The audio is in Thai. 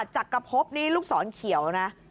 จักรพลูกศรเขียว